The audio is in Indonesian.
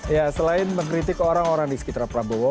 ya selain mengkritik orang orang di sekitar prabowo